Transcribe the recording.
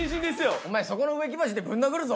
お前そこの植木鉢でぶん殴るぞ！